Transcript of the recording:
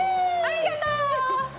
ありがとう！